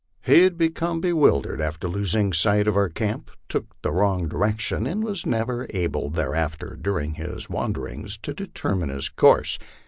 He had become bewildered after losing sight of our camp, took the wrong direction, and was never able thereafter during his wanderings to determine his course.